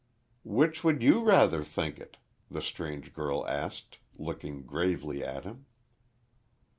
"Which would you rather think it?" the strange girl asked, looking gravely at him.